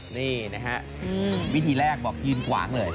นี่นะฮะวิธีแรกบอกยืนขวางเลย